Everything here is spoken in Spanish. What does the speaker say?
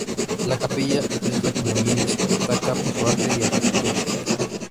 La Capilla de la Comunión destaca por su arte y arquitectura.